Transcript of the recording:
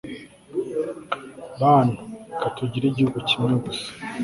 bantu, reka tugire igihugu kimwe gusa